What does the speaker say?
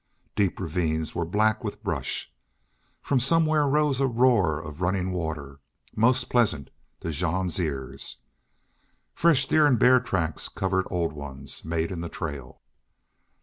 Deep ravines were black with brush. From somewhere rose a roar of running water, most pleasant to Jean's ears. Fresh deer and bear tracks covered old ones made in the trail.